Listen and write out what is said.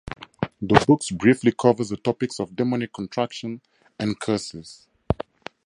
The books briefly cover the topics of demonic contraction and curses.